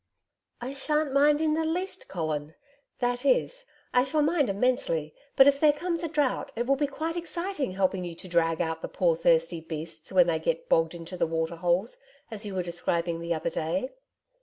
'I shan't mind in the least, Colin that is, I shall mind immensely, but if there comes a drought it will be quite exciting helping you to drag out the poor, thirsty beasts, when they get bogged into the waterholes as you were describing the other day.'